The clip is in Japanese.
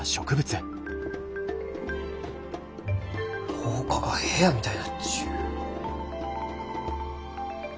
廊下が部屋みたいになっちゅう。